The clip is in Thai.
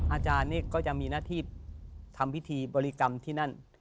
อาจารย์นี่ก็จะมีหน้าที่ทำพิธีบริกรรมที่นั่น